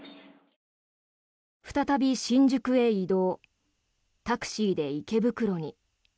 再び新宿へ移動タクシーで池袋に。